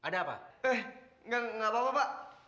kok kursi pak